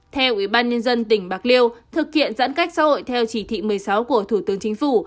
theo ubnd tỉnh bạc liêu thực hiện giãn cách xã hội theo chỉ thị một mươi sáu của thủ tướng chính phủ